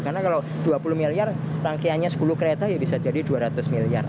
karena kalau dua puluh miliar rangkaiannya sepuluh kereta ya bisa jadi dua ratus miliar